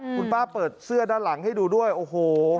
คุณป้าเปิดเสื้อด้านหลังให้ดูด้วยโอ้โห